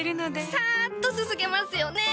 サッとすすげますよね！